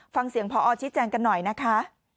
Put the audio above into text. ฟังเสียงพอชี้แจงกันหน่อยนะคะ